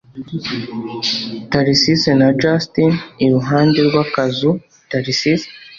Tharcisse na Justin iruhande rw akazu Tharcisse